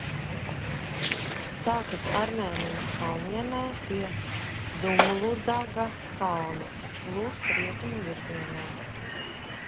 Sākas Armēnijas kalnienē pie Dumludaga kalna, plūst rietumu virzienā.